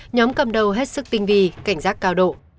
nhóm cầm đầu hết sức tinh vi cảnh giác cao độ